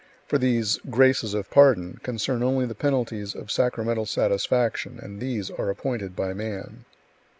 For these "graces of pardon" concern only the penalties of sacramental satisfaction, and these are appointed by man.